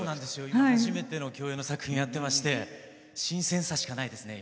今初めての共演の作品をやってまして新鮮さしかないですね